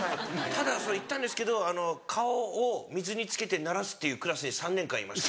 ただそれ行ったんですけど顔を水につけて慣らすっていうクラスに３年間いました。